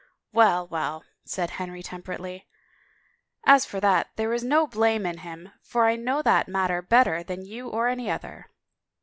" Well, well," said Henry temperately, " as for that there is no blame in him for I know that matter better than you or any other."